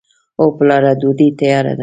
هو پلاره! ډوډۍ تیاره ده.